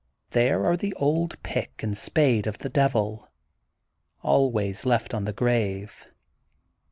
There are the old pick and spade of the Devil, always left on the grave.